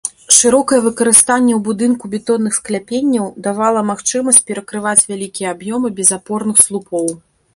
Шырокае выкарыстанне ў будынку бетонных скляпенняў давала магчымасць перакрываць вялікія аб'ёмы без апорных слупоў.